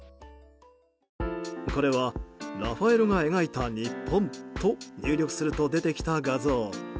これは「ラファエロが描いた日本」と入力すると出てきた画像。